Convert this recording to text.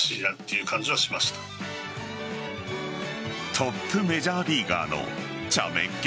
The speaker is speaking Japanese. トップメジャーリーガーのちゃめっ気